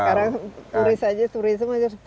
sekarang turis saja turis empat